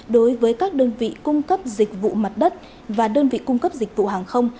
đối với các đơn vị cung cấp dịch vụ mặt đất và đơn vị cung cấp dịch vụ hàng không